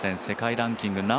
世界ランキング